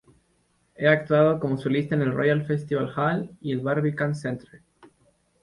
Ha actuado como solista en el Royal Festival Hall y el Barbican Centre.